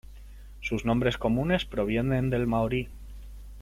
Sus nombres comunes provienen del maorí.